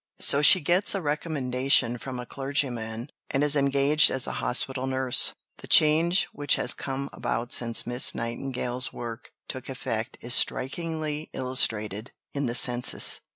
So she gets a recommendation from a clergyman, and is engaged as a Hospital Nurse." The change which has come about since Miss Nightingale's work took effect is strikingly illustrated in the Census.